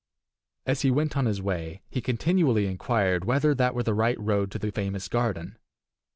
As he went on his way he continually inquired whether that were the right road to the famous garden.